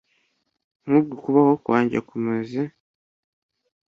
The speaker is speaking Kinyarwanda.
Nk’ubwo kubaho kwanjye kumeze